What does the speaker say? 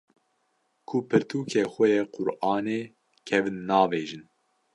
ku pirtûkê xwe yê Qur’anê kevn navêjin